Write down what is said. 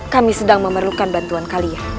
kami sedang memerlukan bantuan kalian